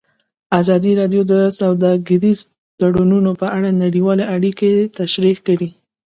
ازادي راډیو د سوداګریز تړونونه په اړه نړیوالې اړیکې تشریح کړي.